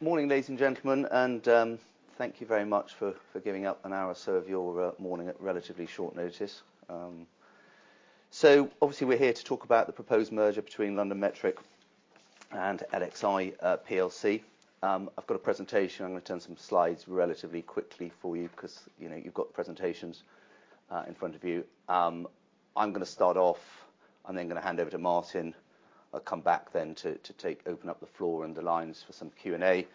Morning, ladies and gentlemen, and thank you very much for giving up an hour or so of your morning at relatively short notice. So obviously we're here to talk about the proposed merger between LondonMetric and LXi PLC. I've got a presentation. I'm gonna turn some slides relatively quickly for you 'cause, you know, you've got presentations in front of you. I'm gonna start off and then gonna hand over to Martin. I'll come back then to open up the floor and the lines for some Q&A.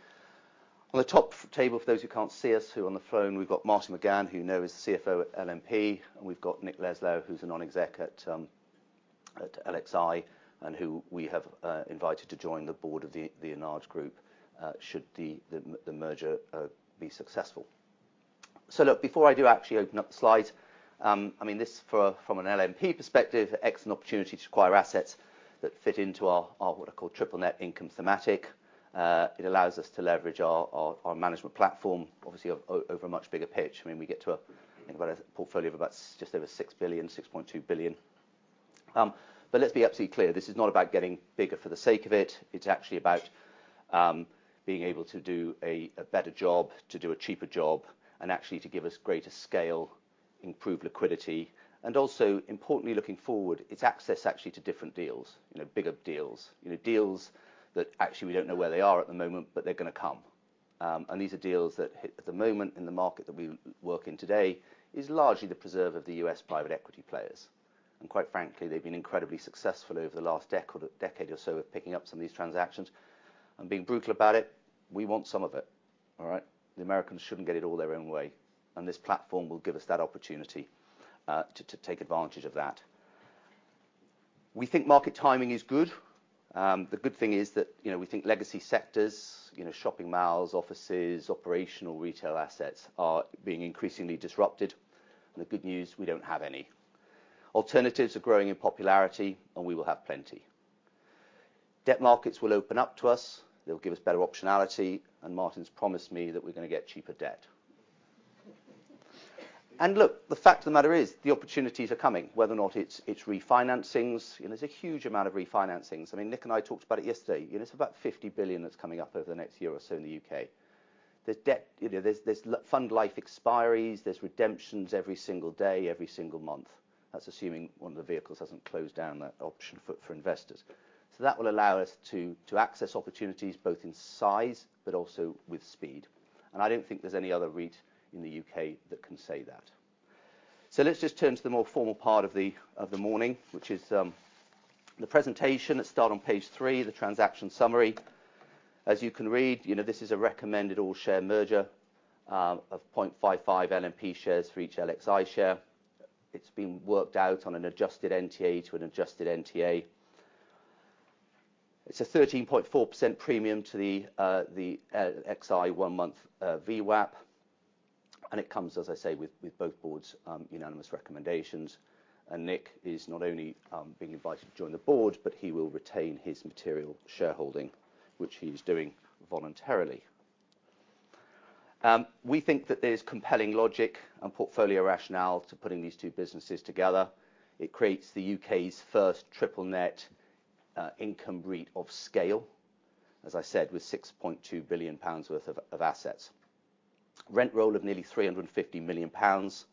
On the top table, for those who can't see us, who are on the phone, we've got Martin McGann, who you know is the CFO at LMP, and we've got Nick Leslau, who's a non-exec at LXI, and who we have invited to join the board of the enlarged group, should the merger be successful. So look, before I do actually open up the slides, I mean, this from an LMP perspective, excellent opportunity to acquire assets that fit into our what are called triple net income thematic. It allows us to leverage our management platform, obviously over a much bigger pitch. I mean, we get to think about a portfolio of about just over 6 billion, 6.2 billion. But let's be absolutely clear, this is not about getting bigger for the sake of it. It's actually about being able to do a better job, to do a cheaper job, and actually to give us greater scale, improved liquidity. And also, importantly, looking forward, it's access actually to different deals, you know, bigger deals. You know, deals that actually we don't know where they are at the moment, but they're gonna come. And these are deals that at the moment, in the market that we work in today, is largely the preserve of the U.S. private equity players. And quite frankly, they've been incredibly successful over the last decade or so of picking up some of these transactions. I'm being brutal about it. We want some of it. All right? The Americans shouldn't get it all their own way, and this platform will give us that opportunity to take advantage of that. We think market timing is good. The good thing is that, you know, we think legacy sectors, you know, shopping malls, offices, operational retail assets, are being increasingly disrupted. And the good news, we don't have any. Alternatives are growing in popularity, and we will have plenty. Debt markets will open up to us. They'll give us better optionality, and Martin's promised me that we're gonna get cheaper debt. And look, the fact of the matter is, the opportunities are coming, whether or not it's refinancings. You know, there's a huge amount of refinancings. I mean, Nick and I talked about it yesterday. You know, there's about 50 billion that's coming up over the next year or so in the U.K. There's debt... You know, there's life fund expiries, there's redemptions every single day, every single month. That's assuming one of the vehicles hasn't closed down that option for investors. So that will allow us to access opportunities both in size, but also with speed. And I don't think there's any other REIT in the U.K. that can say that. So let's just turn to the more formal part of the morning, which is the presentation. Let's start on page three, the transaction summary. As you can read, you know, this is a recommended all-share merger of 0.55 LMP shares for each LXI share. It's been worked out on an adjusted NTA to an adjusted NTA. It's a 13.4% premium to the LXi one-month VWAP, and it comes, as I say, with both boards' unanimous recommendations. Nick is not only being invited to join the board, but he will retain his material shareholding, which he is doing voluntarily. We think that there's compelling logic and portfolio rationale to putting these two businesses together. It creates the U.K.'s first triple net income REIT of scale, as I said, with 6.2 billion pounds worth of assets. Rent roll of nearly 350 million pounds.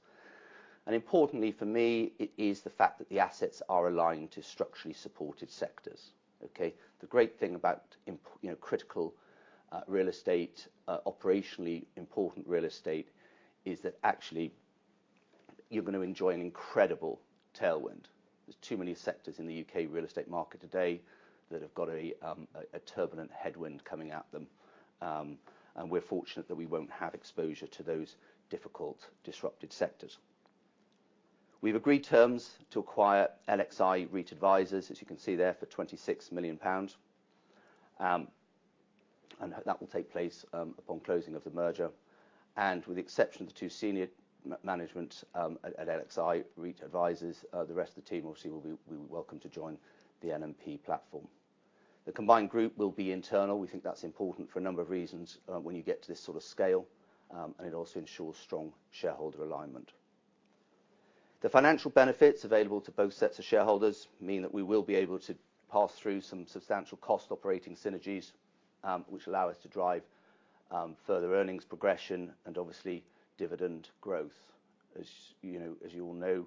Importantly for me, it is the fact that the assets are aligned to structurally supported sectors, okay? The great thing about you know, critical real estate, operationally important real estate, is that actually you're going to enjoy an incredible tailwind. There's too many sectors in the U.K. real estate market today that have got a turbulent headwind coming at them. We're fortunate that we won't have exposure to those difficult, disrupted sectors. We've agreed terms to acquire LXi REIT Advisors, as you can see there, for 26 million pounds. That will take place upon closing of the merger. With the exception of the two senior management at LXi REIT Advisors, the rest of the team obviously will be welcome to join the LMP platform. The combined group will be internal. We think that's important for a number of reasons when you get to this sort of scale, and it also ensures strong shareholder alignment. The financial benefits available to both sets of shareholders mean that we will be able to pass through some substantial cost operating synergies, which allow us to drive, further earnings progression and obviously dividend growth. As you know, as you all know,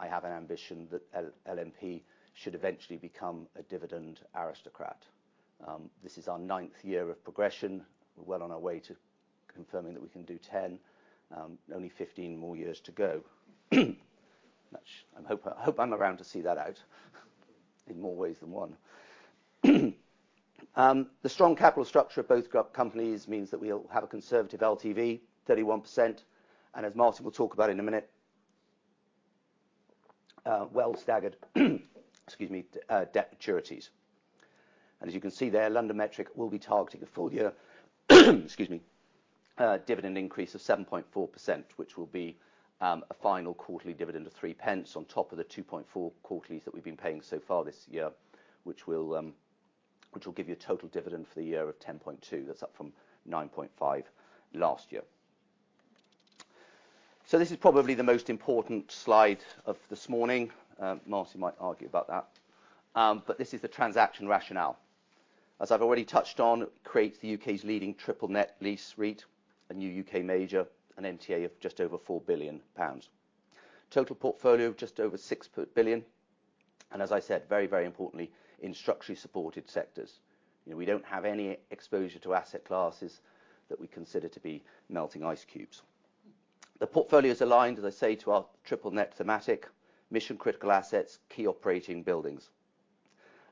I have an ambition that LMP should eventually become a dividend aristocrat. This is our ninth year of progression. We're well on our way to confirming that we can do 10. Only 15 more years to go. Which I hope, I hope I'm around to see that out, in more ways than one. The strong capital structure of both companies means that we'll have a conservative LTV, 31%, and as Martin will talk about in a minute, well staggered, excuse me, debt maturities. As you can see there, LondonMetric will be targeting a full year, excuse me, dividend increase of 7.4%, which will be a final quarterly dividend of three pence on top of the 2.4 quarterlies that we've been paying so far this year, which will, which will give you a total dividend for the year of 10.2. That's up from 9.5 last year... So this is probably the most important slide of this morning. Martin might argue about that. But this is the transaction rationale. As I've already touched on, it creates the U.K.'s leading triple net lease REIT, a new U.K. major, an NTA of just over 4 billion pounds. Total portfolio of just over 6.2 billion, and as I said, very, very importantly, in structurally supported sectors. You know, we don't have any exposure to asset classes that we consider to be melting ice cubes. The portfolio is aligned, as I say, to our triple net thematic, mission-critical assets, key operating buildings.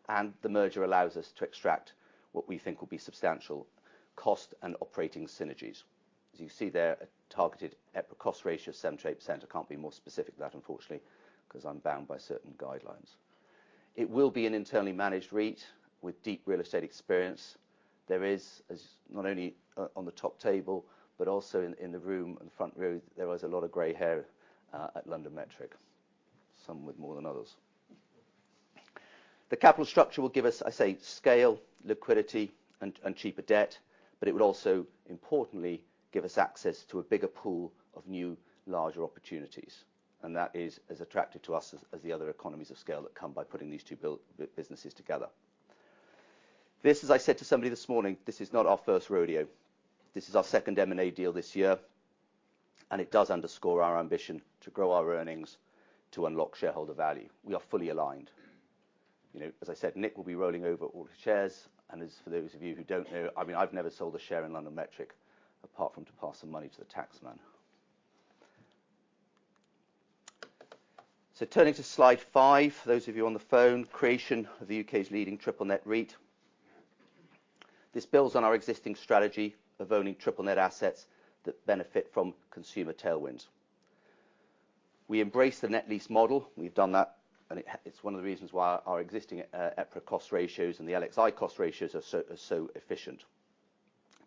And the merger allows us to extract what we think will be substantial cost and operating synergies. As you can see there, a targeted EPRA cost ratio of 7.8%. Can't be more specific than that, unfortunately, 'cause I'm bound by certain guidelines. It will be an internally managed REIT with deep real estate experience. There is not only on the top table, but also in the room, in the front row, there was a lot of gray hair at LondonMetric, some with more than others. The capital structure will give us, I say, scale, liquidity, and cheaper debt, but it will also importantly give us access to a bigger pool of new, larger opportunities, and that is as attractive to us as the other economies of scale that come by putting these two businesses together. This, as I said to somebody this morning, this is not our first rodeo. This is our second M&A deal this year, and it does underscore our ambition to grow our earnings to unlock shareholder value. We are fully aligned. You know, as I said, Nick will be rolling over all the shares, and as for those of you who don't know, I mean, I've never sold a share in LondonMetric, apart from to pass some money to the taxman. So turning to slide five, for those of you on the phone, creation of the U.K.'s leading triple net REIT. This builds on our existing strategy of owning triple net assets that benefit from consumer tailwinds. We embrace the net lease model. We've done that, and it, it's one of the reasons why our existing, EPRA cost ratios and the LXI cost ratios are so, are so efficient.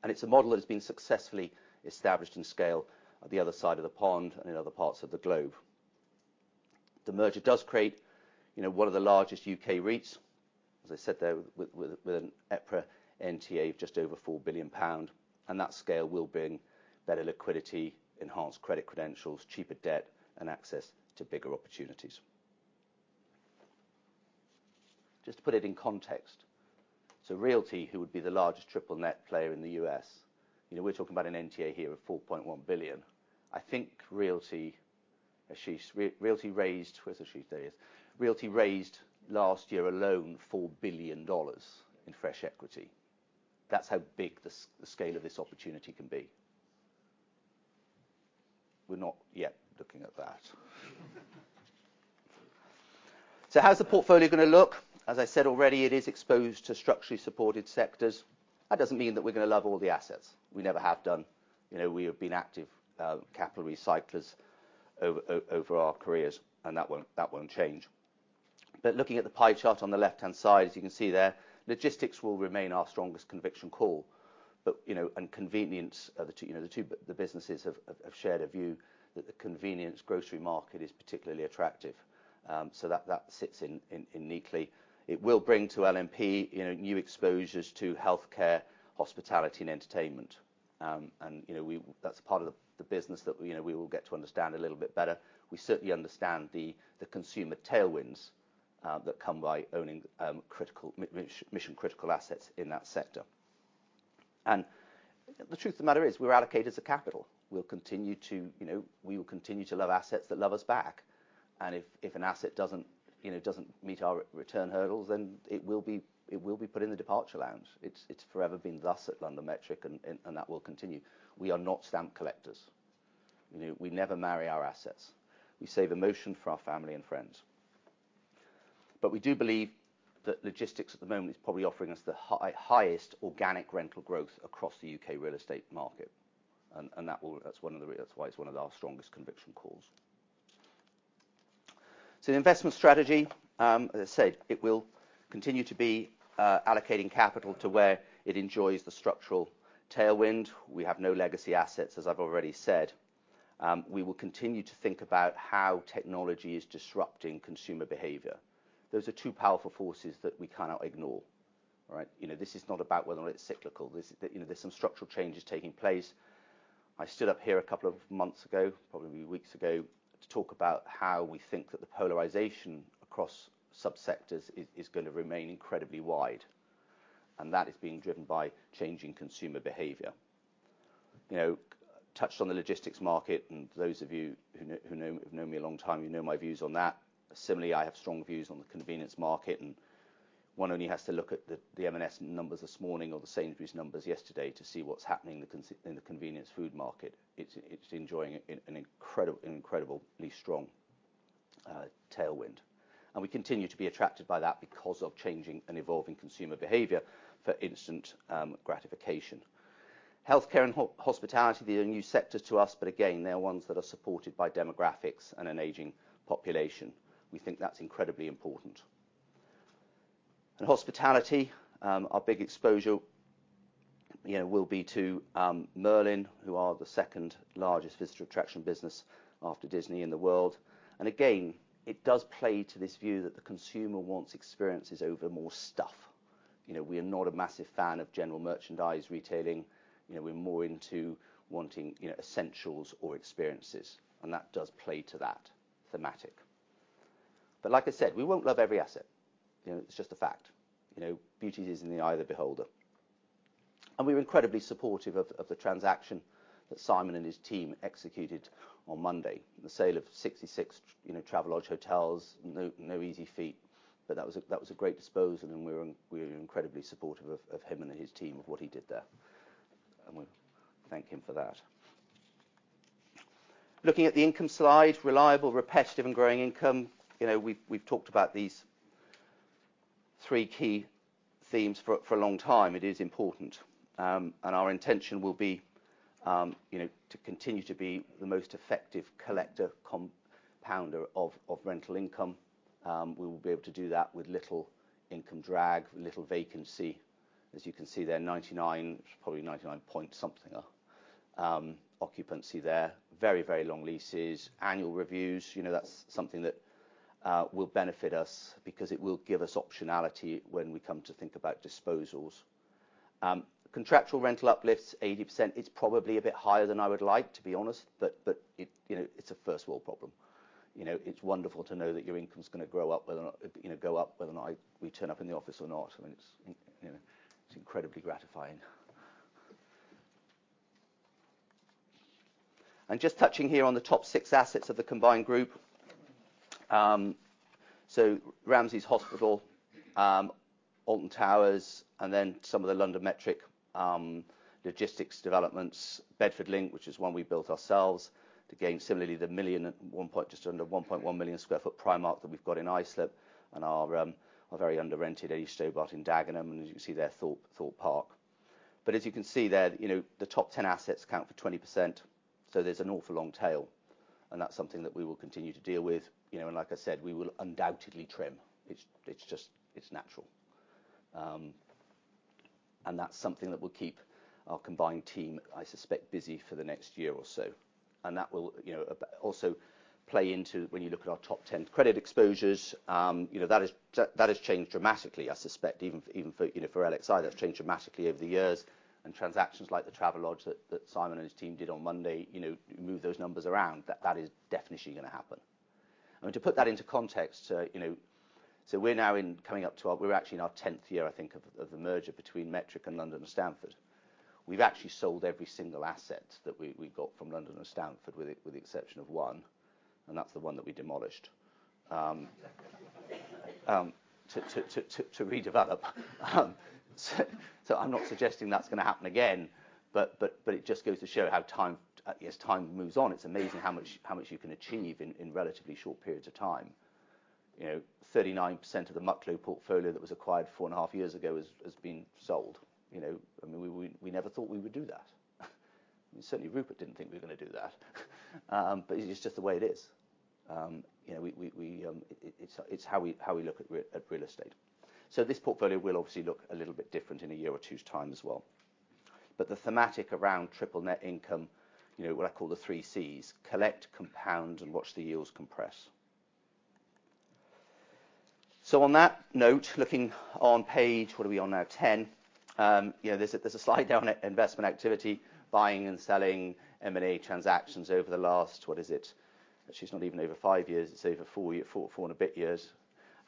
And it's a model that has been successfully established in scale on the other side of the pond and in other parts of the globe. The merger does create, you know, one of the largest U.K. REITs, as I said, there with, with, with an EPRA NTA of just over 4 billion pound, and that scale will bring better liquidity, enhanced credit credentials, cheaper debt, and access to bigger opportunities. Just to put it in context, so Realty, who would be the largest triple net player in the U.S., you know, we're talking about an NTA here of 4.1 billion. I think Realty, Ashish, Realty raised... Where's Ashish? There he is. Realty raised last year alone, $4 billion in fresh equity. That's how big the scale of this opportunity can be. We're not yet looking at that. So how's the portfolio gonna look? As I said already, it is exposed to structurally supported sectors. That doesn't mean that we're gonna love all the assets. We never have done. You know, we have been active, capital recyclers over our careers, and that won't, that won't change. But looking at the pie chart on the left-hand side, as you can see there, logistics will remain our strongest conviction call. But you know, and convenience, the two businesses have shared a view that the convenience grocery market is particularly attractive. So that sits in neatly. It will bring to LMP, you know, new exposures to healthcare, hospitality, and entertainment. And you know, that's part of the business that, you know, we will get to understand a little bit better. We certainly understand the consumer tailwinds that come by owning critical mission-critical assets in that sector. And the truth of the matter is, we're allocators of capital. We'll continue to, you know, we will continue to love assets that love us back. And if an asset doesn't, you know, doesn't meet our return hurdles, then it will be put in the departure lounge. It's forever been thus at LondonMetric, and that will continue. We are not stamp collectors. You know, we never marry our assets. We save emotion for our family and friends. But we do believe that logistics at the moment is probably offering us the highest organic rental growth across the U.K. real estate market, and that will, that's why it's one of our strongest conviction calls. So the investment strategy, as I said, it will continue to be allocating capital to where it enjoys the structural tailwind. We have no legacy assets, as I've already said. We will continue to think about how technology is disrupting consumer behavior. Those are two powerful forces that we cannot ignore. All right? You know, this is not about whether or not it's cyclical. This is, you know, there's some structural changes taking place. I stood up here a couple of months ago, probably weeks ago, to talk about how we think that the polarization across subsectors is gonna remain incredibly wide, and that is being driven by changing consumer behavior. You know, touched on the logistics market, and those of you who know, have known me a long time, you know my views on that. Similarly, I have strong views on the convenience market, and one only has to look at the M&S numbers this morning or the Sainsbury's numbers yesterday to see what's happening in the convenience food market. It's enjoying an incredible, incredibly strong tailwind. And we continue to be attracted by that because of changing and evolving consumer behavior for instant gratification. Healthcare and hospitality, they are new sectors to us, but again, they are ones that are supported by demographics and an aging population. We think that's incredibly important. And hospitality, our big exposure, you know, will be to, Merlin, who are the second largest visitor attraction business after Disney in the world. And again, it does play to this view that the consumer wants experiences over more stuff.... you know, we are not a massive fan of general merchandise retailing. You know, we're more into wanting, you know, essentials or experiences, and that does play to that thematic. But like I said, we won't love every asset, you know, it's just a fact. You know, beauty is in the eye of the beholder. And we're incredibly supportive of the transaction that Simon and his team executed on Monday. The sale of 66, you know, Travelodge hotels. No easy feat, but that was a great disposal, and we were incredibly supportive of him and his team of what he did there, and we thank him for that. Looking at the income slide, reliable, repetitive and growing income. You know, we've talked about these three key themes for a long time. It is important. And our intention will be, you know, to continue to be the most effective collector, compounder of rental income. We will be able to do that with little income drag, little vacancy. As you can see there, 99, probably 99 point something, occupancy there. Very long leases. Annual reviews, you know, that's something that will benefit us because it will give us optionality when we come to think about disposals. Contractual rental uplifts, 80%. It's probably a bit higher than I would like, to be honest, but it. You know, it's a first world problem. You know, it's wonderful to know that your income's gonna grow up, whether or not, you know, go up, whether or not we turn up in the office or not. I mean, it's you know, it's incredibly gratifying. And just touching here on the top 6 assets of the combined group. So Ramsay's Hospital, Alton Towers, and then some of the LondonMetric logistics developments. Bedford Link, which is one we built ourselves. To gain similarly, the million at one point, just under 1.1 million sq ft Primark that we've got in Islip, and our very under-rented Tesco Store bought in Dagenham, and as you can see there, Thorpe Park. But as you can see there, you know, the top 10 assets account for 20%, so there's an awful long tail, and that's something that we will continue to deal with. You know, and like I said, we will undoubtedly trim. It's, it's just, it's natural. And that's something that will keep our combined team, I suspect, busy for the next year or so, and that will, you know, also play into when you look at our top 10 credit exposures. You know, that has changed dramatically, I suspect, even, even for, you know, for LXI, that's changed dramatically over the years. And transactions like the Travelodge that, that Simon and his team did on Monday, you know, move those numbers around, that, that is definitely going to happen. I mean, to put that into context, you know, so we're now in coming up to our... We're actually in our tenth year, I think, of the merger between Metric and London & Stamford. We've actually sold every single asset that we got from London & Stamford, with the exception of one, and that's the one that we demolished to redevelop. So I'm not suggesting that's gonna happen again, but it just goes to show how time, as time moves on, it's amazing how much you can achieve in relatively short periods of time. You know, 39% of the Mucklow portfolio that was acquired four and a half years ago has been sold. You know, I mean, we never thought we would do that. Certainly, Rupert didn't think we were gonna do that. But it's just the way it is. You know, it's how we look at real estate. So this portfolio will obviously look a little bit different in a year or two's time as well. But the thematic around triple net income, you know, what I call the three Cs: collect, compound and watch the yields compress. So on that note, looking on page, what are we on now? 10. You know, there's a slide down in investment activity, buying and selling M&A transactions over the last, what is it? Actually, it's not even over five years, it's over four and a bit years.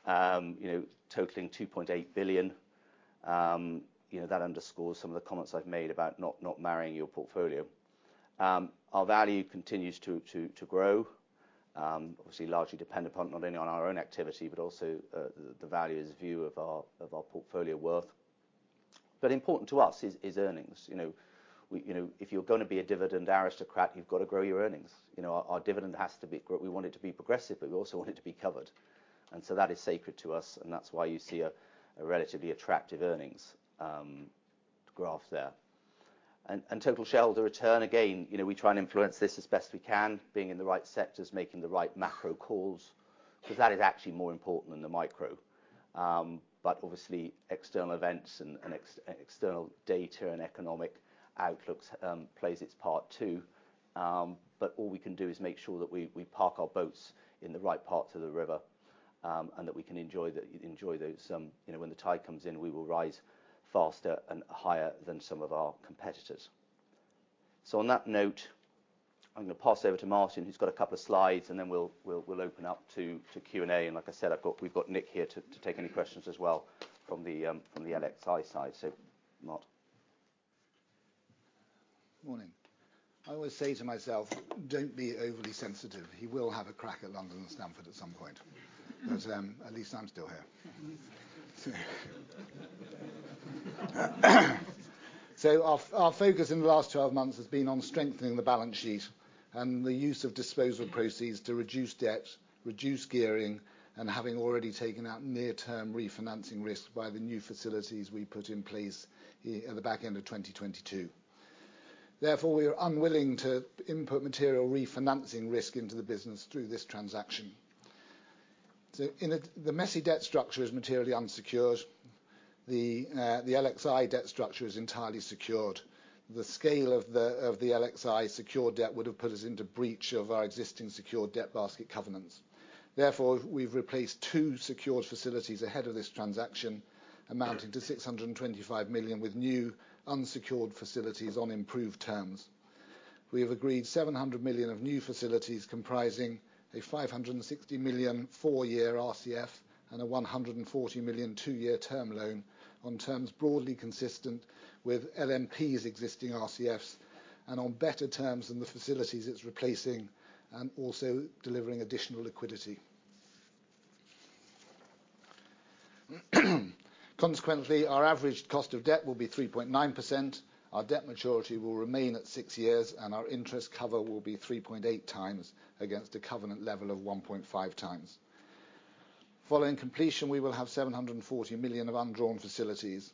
You know, totaling 2.8 billion. You know, that underscores some of the comments I've made about not marrying your portfolio. Our value continues to grow, obviously largely dependent upon not only on our own activity, but also the value's view of our portfolio worth. But important to us is earnings. You know, if you're gonna be a Dividend Aristocrat, you've got to grow your earnings. You know, our dividend has to be progressive, but we also want it to be covered, and so that is sacred to us, and that's why you see a relatively attractive earnings graph there. And total shareholder return, again, you know, we try and influence this as best we can, being in the right sectors, making the right macro calls, because that is actually more important than the micro. But obviously, external events and external data and economic outlooks plays its part, too. But all we can do is make sure that we park our boats in the right parts of the river, and that we can enjoy those, you know, when the tide comes in, we will rise faster and higher than some of our competitors. So on that note, I'm going to pass over to Martin, who's got a couple of slides, and then we'll open up to Q&A. Like I said, I've got—we've got Nick here to take any questions as well from the LXi side. So, Mart? Morning. I always say to myself: Don't be overly sensitive. He will have a crack at London & Stamford at some point. But at least I'm still here. So our, our focus in the last 12 months has been on strengthening the balance sheet and the use of disposal proceeds to reduce debt, reduce gearing, and having already taken out near-term refinancing risk by the new facilities we put in place here at the back end of 2022. Therefore, we are unwilling to input material refinancing risk into the business through this transaction. So in a... The messy debt structure is materially unsecured. The, the LXi debt structure is entirely secured. The scale of the, of the LXi secured debt would have put us into breach of our existing secured debt basket covenants.... Therefore, we've replaced two secured facilities ahead of this transaction, amounting to 625 million, with new unsecured facilities on improved terms. We have agreed 700 million of new facilities, comprising a 560 million four-year RCF and a 140 million two-year term loan, on terms broadly consistent with LNP's existing RCFs, and on better terms than the facilities it's replacing, and also delivering additional liquidity. Consequently, our average cost of debt will be 3.9%, our debt maturity will remain at six years, and our interest cover will be 3.8x against a covenant level of 1.5x. Following completion, we will have 740 million of undrawn facilities.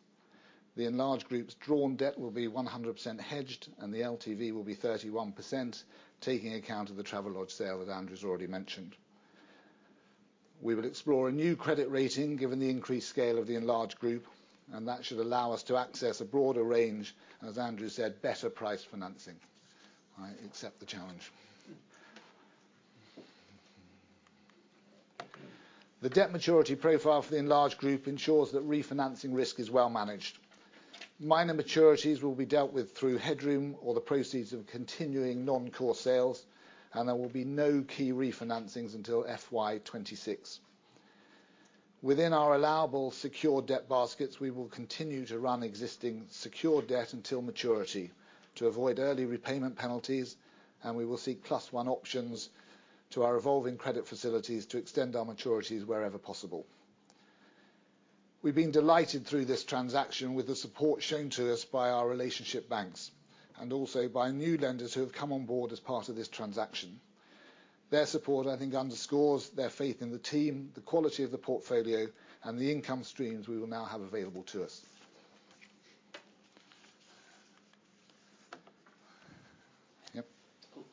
The enlarged group's drawn debt will be 100% hedged, and the LTV will be 31%, taking account of the Travelodge sale that Andrew's already mentioned. We will explore a new credit rating, given the increased scale of the enlarged group, and that should allow us to access a broader range, as Andrew said, better priced financing. I accept the challenge. The debt maturity profile for the enlarged group ensures that refinancing risk is well managed. Minor maturities will be dealt with through headroom or the proceeds of continuing non-core sales, and there will be no key refinancings until FY 2026. Within our allowable secured debt baskets, we will continue to run existing secured debt until maturity to avoid early repayment penalties, and we will seek plus one options to our evolving credit facilities to extend our maturities wherever possible. We've been delighted through this transaction with the support shown to us by our relationship banks, and also by new lenders who have come on board as part of this transaction. Their support, I think, underscores their faith in the team, the quality of the portfolio, and the income streams we will now have available to us. Yep. Cool.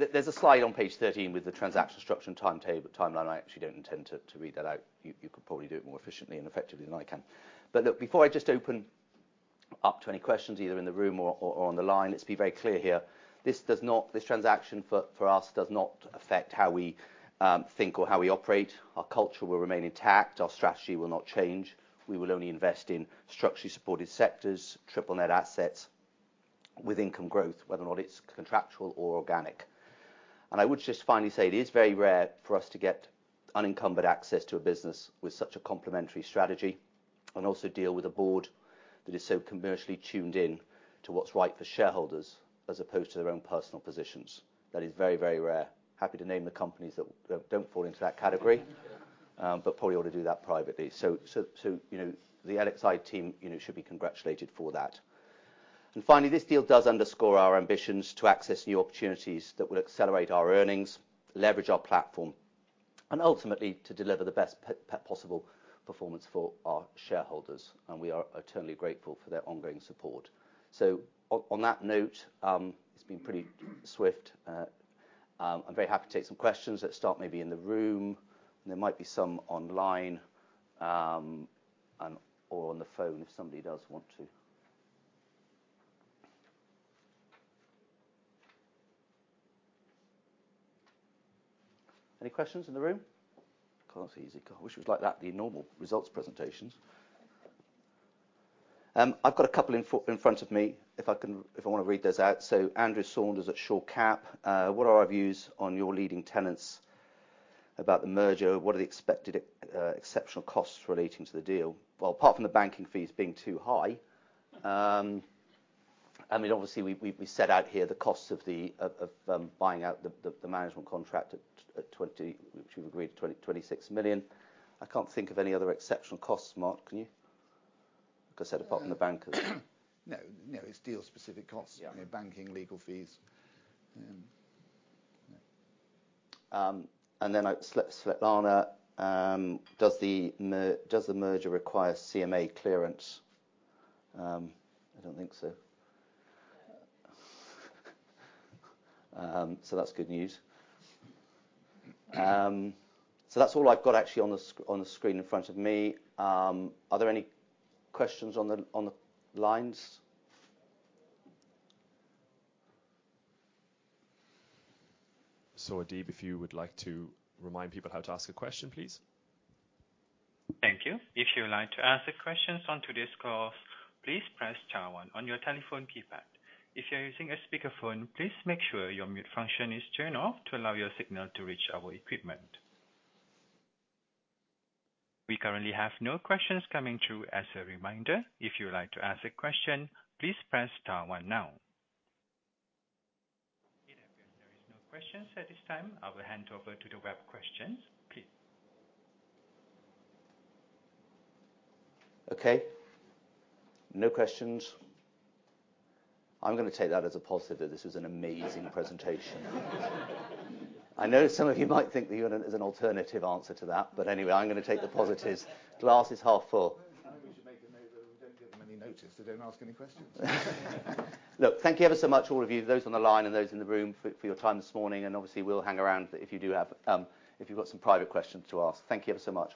There's a slide on page 13 with the transaction structure and timetable, timeline. I actually don't intend to read that out. You could probably do it more efficiently and effectively than I can. But look, before I just open up to any questions, either in the room or on the line, let's be very clear here, this does not... This transaction for us does not affect how we think or how we operate. Our culture will remain intact. Our strategy will not change. We will only invest in structurally supported sectors, triple net assets with income growth, whether or not it's contractual or organic. And I would just finally say, it is very rare for us to get unencumbered access to a business with such a complementary strategy, and also deal with a board that is so commercially tuned in to what's right for shareholders, as opposed to their own personal positions. That is very, very rare. Happy to name the companies that, that don't fall into that category. But probably ought to do that privately. You know, the LXI team, you know, should be congratulated for that. And finally, this deal does underscore our ambitions to access new opportunities that will accelerate our earnings, leverage our platform, and ultimately to deliver the best possible performance for our shareholders, and we are eternally grateful for their ongoing support. So on that note, it's been pretty swift. I'm very happy to take some questions. Let's start maybe in the room, and there might be some online, and or on the phone, if somebody does want to. Any questions in the room? God, that's easy. I wish it was like that, the normal results presentations. I've got a couple in front of me, if I wanna read those out. So Andrew Saunders at Shore Cap. "What are our views on your leading tenants about the merger? What are the expected exceptional costs relating to the deal?" Well, apart from the banking fees being too high, I mean, obviously, we set out here the costs of buying out the management contract at 26, which we've agreed to 26 million. I can't think of any other exceptional costs. Mark, can you? Like I said, apart from the bankers. No, no, it's deal-specific costs- Yeah... you know, banking, legal fees. And then I, Svetlana, "Does the merger require CMA clearance?" I don't think so. So that's good news. So that's all I've got actually on the screen in front of me. Are there any questions on the lines? So Adib, if you would like to remind people how to ask a question, please. Thank you. If you would like to ask a question on today's call, please press star one on your telephone keypad. If you're using a speakerphone, please make sure your mute function is turned off to allow your signal to reach our equipment. We currently have no questions coming through. As a reminder, if you would like to ask a question, please press star one now. There are no questions at this time. I will hand over to the web questions, please. Okay, no questions. I'm gonna take that as a positive that this was an amazing presentation. I know some of you might think that there's an alternative answer to that, but anyway, I'm gonna take the positives. Glass is half full. I think we should make a note of we don't give them any notice. They don't ask any questions. Look, thank you ever so much, all of you, those on the line and those in the room, for your time this morning, and obviously, we'll hang around if you do have, if you've got some private questions to ask. Thank you ever so much.